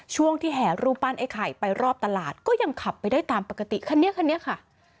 ช่วงที่แห่รูปปั้นไอ้ไข่ไปรอบตลาดก็ยังขับไปได้ตามปกติคันนี้คันนี้ค่ะ